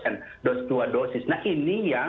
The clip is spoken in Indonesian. karena bicara dampak dari covid ini kan bukan hanya vaksin